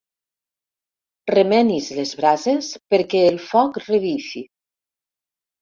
Remenis les brases perquè el foc revifi.